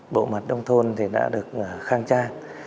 bộ mặt đông thôn thì đã được khang trang